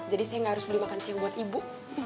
jadi saya enggak harus beli makan siang buat ibu